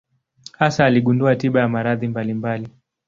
Hasa aligundua tiba ya maradhi mbalimbali.